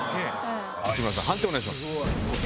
内村さん判定お願いします。